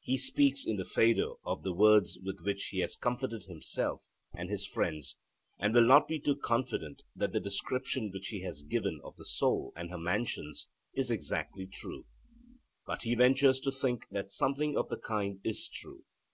He speaks in the Phaedo of the words with which he has comforted himself and his friends, and will not be too confident that the description which he has given of the soul and her mansions is exactly true, but he 'ventures to think that something of the kind is true.'